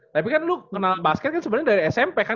tapi kan lu kenalan basket kan sebenarnya dari smp kan